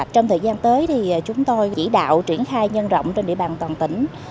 trong thời gian tới thì chúng tôi chỉ đạo triển khai nhân rộng trên địa bàn toàn tỉnh